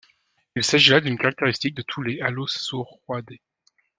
Il s'agit là d'une caractéristique de tous les allosauroidés.